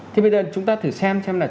thì bây giờ chúng ta thử xem xem là